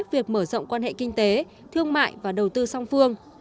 việc mở rộng quan hệ kinh tế thương mại và đầu tư song phương